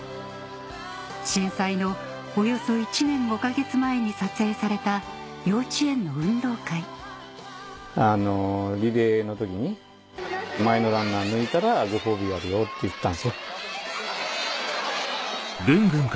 震災のおよそ１年５か月前に撮影された幼稚園の運動会リレーの時に前のランナー抜いたらご褒美やるよって言ったんです。